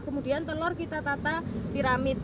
kemudian telur kita tata piramid